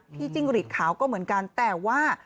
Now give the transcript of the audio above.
จิ้งหลีดขาวก็เหมือนกันแต่ว่า